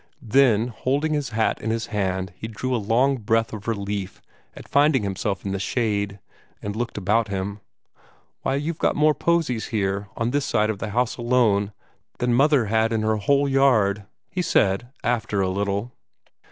Then, holding his hat in his hand, he drew a long breath of relief at finding himself in the shade, and looked about him. "Why, you've got more posies here, on this one side of the house alone, than mother had in her whole yard," he said, after a little.